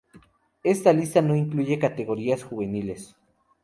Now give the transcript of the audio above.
Esta lista no incluye categorías juveniles.